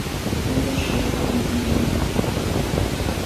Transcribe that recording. Qiwata shwatakuykulmi likun.